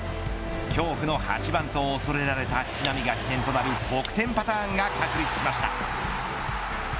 恐怖の８番と恐れられた木浪が起点となる得点パターンが確立しました。